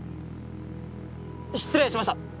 失礼しました！